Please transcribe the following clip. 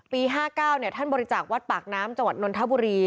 ๕๙ท่านบริจาควัดปากน้ำจังหวัดนนทบุรี